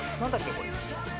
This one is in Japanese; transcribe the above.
これ。